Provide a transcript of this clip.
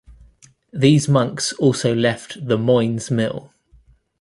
These monks also left the "Moines Mill".